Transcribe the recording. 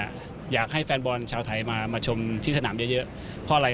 อยากให้แฟนบอลชาวไทยมาชมที่สนามเยอะ